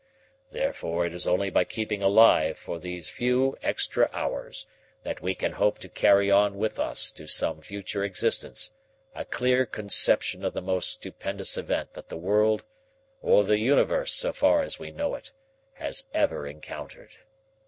Therefore it is only by keeping alive for these few extra hours that we can hope to carry on with us to some future existence a clear conception of the most stupendous event that the world, or the universe so far as we know it, has ever encountered.